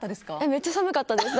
めっちゃ寒かったです。